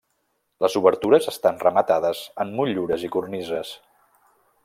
Les obertures estan rematades amb motllures i cornises.